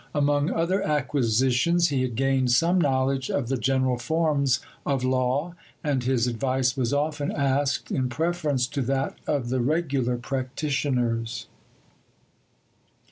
Among other acquisitions, he had gained some knowledge of the general forms of law, and his advice was often asked in preference to that of the regular practitioners.